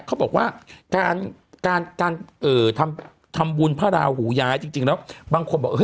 เขาบอกว่าการการทำบุญพระราหูย้ายจริงแล้วบางคนบอก